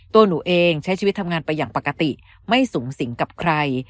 ตัวหนูเองใช้ชีวิตทำงานไปอย่างปกติไม่สูงสิงกับใคร